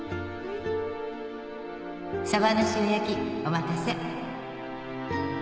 サバの塩焼きお待たせ